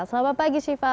selamat pagi syifa